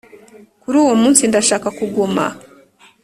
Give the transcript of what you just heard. kuri uwo muntu ndashaka kuguma,